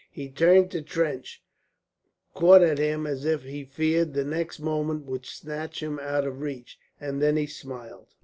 He turned to Trench, caught at him as if he feared the next moment would snatch him out of reach, and then he smiled.